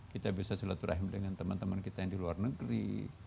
kita bisa silaturahim dengan teman teman kita yang di luar negeri